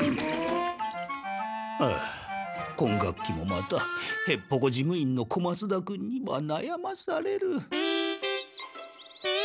ああ今学期もまたへっぽこ事務員の小松田君にはなやまされる。